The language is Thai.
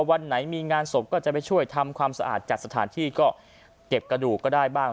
วันไหนมีงานศพก็จะไปช่วยทำความสะอาดจัดสถานที่ก็เก็บกระดูกก็ได้บ้าง